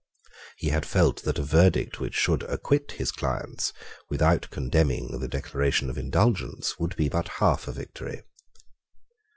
He had felt that a verdict which should acquit his clients, without condemning the Declaration of Indulgence, would be but half a victory.